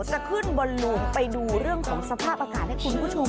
จะขึ้นบนหลุมไปดูเรื่องของสภาพอากาศให้คุณผู้ชม